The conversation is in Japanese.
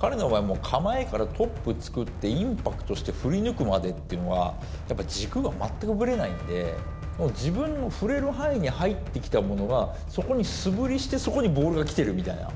彼の場合、もう構えからトップ作って、インパクトして、振り抜くまでっていうのが、やっぱ軸が全くぶれないんで、自分の振れる範囲に入ってきたものが、そこに素振りしてそこにボールが来てるみたいな。